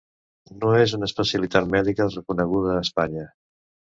No és una especialitat mèdica reconeguda a Espanya.